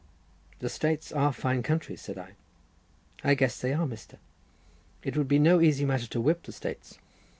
"The States are fine countries," said I. "I guess they are, Mr." "It would be no easy matter to whip the States."